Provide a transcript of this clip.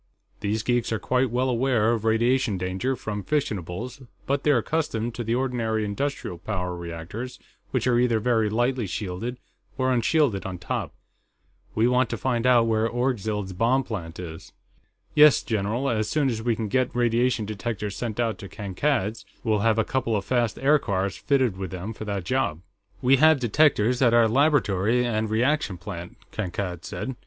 These geeks are quite well aware of radiation danger from fissionables, but they're accustomed to the ordinary industrial power reactors, which are either very lightly shielded or unshielded on top. We want to find out where Orgzild's bomb plant is." "Yes, general, as soon as we can get radiation detectors sent out to Kankad's, we'll have a couple of fast aircars fitted with them for that job." "We have detectors, at our laboratory and reaction plant," Kankad said.